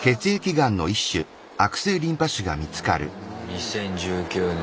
２０１９年。